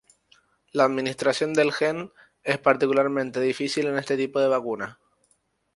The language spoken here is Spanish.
La administración del gen es particularmente difícil en este tipo de vacuna.